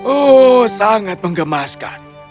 oh sangat mengemaskan